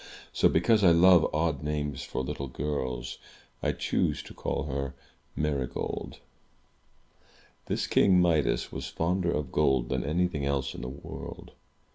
So, because I love odd names for little girls, I choose to call her Marygold. This King Midas was fonder of gold than anything else in the world.